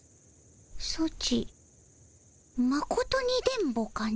ソチまことに電ボかの？